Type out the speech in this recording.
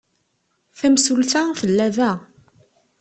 Tamsulta tella da.